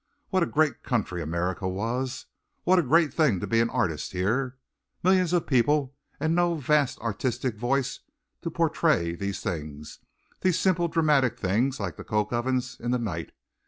What a great country America was! What a great thing to be an artist here! Millions of people and no vast artistic voice to portray these things these simple dramatic things like the coke ovens in the night.